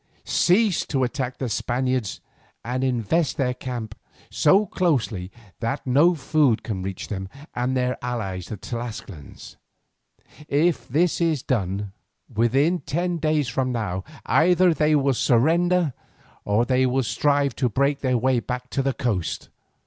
Cease to attack the Spaniards and invest their camp so closely that no food can reach them and their allies the Tlascalans. If this is done, within ten days from now, either they will surrender or they will strive to break their way back to the coast.